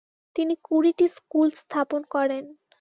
তিনি কুড়িটি স্কুুল স্থাপন করেন।